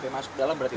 masuk ke dalam berarti